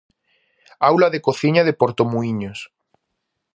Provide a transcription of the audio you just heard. Aula de cociña de Portomuíños.